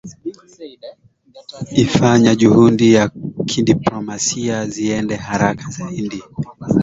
ifanya juhudi za kidiplomasia ziende haraka zaidi